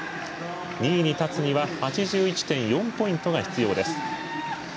２位に立つには８１．４ポイントが必要です。